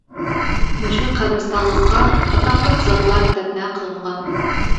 مۇشۇ قەبرىستانلىققا ئاتاقلىق زاتلار دەپنە قىلىنغان.